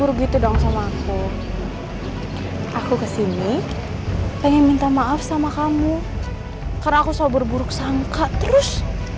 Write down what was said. kecembur gitu dong sama aku aku kesini pengen minta maaf sama kamu karena aku sobur buruk sangka terus